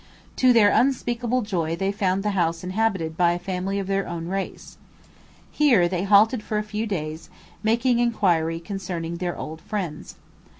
To their unspeakable joy they found the house inhabited by a family of their own race. Here they halted for a few days, making inquiry concerning their old friends.